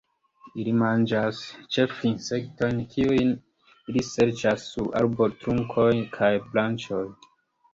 Ili manĝas ĉefe insektojn kiujn ili serĉas sur arbotrunkoj kaj branĉoj.